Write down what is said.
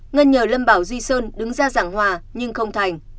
ngân nhờ lâm bảo duy sơn đứng ra giảng hòa nhưng không thành